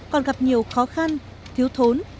còn gặp nhiều khó khăn thiếu thốn